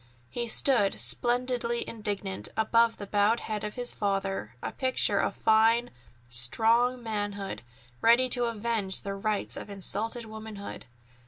He stood splendidly indignant, above the bowed head of his father, a picture of fine, strong manhood, ready to avenge the rights of insulted womanhood.